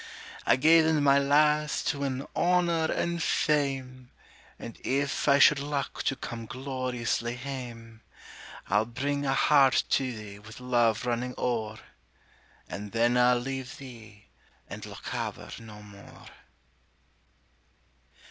I gae then, my lass, to win honor and fame, And if I should luck to come gloriously hame, I'll bring a heart to thee with love running o'er, And then I'll leave thee and Lochaber no more.